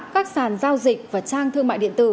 các sàn giao dịch và trang thương mại điện tử